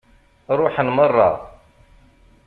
Ṛuḥen meṛṛa.